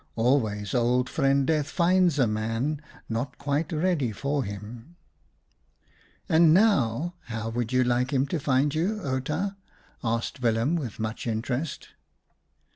Always Old Friend Death finds a man not quite ready for him." " And now how would you like him to find you, Outa?" asked Willem with much interest.